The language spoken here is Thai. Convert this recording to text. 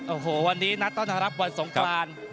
โอ้โหวันนี้นัดต้อนรับวันสงคราน